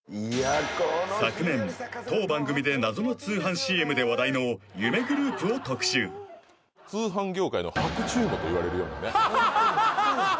昨年当番組で謎の通販ＣＭで話題の夢グループを特集といわれるようなね